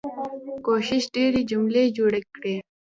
کوښښ ډيرې جملې جوړې کړم.